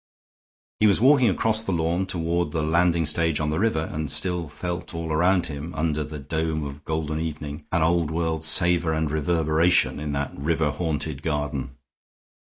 He was walking across the lawn toward the landing stage on the river, and still felt all around him, under the dome of golden evening, an Old World savor and reverberation in that riverhaunted garden.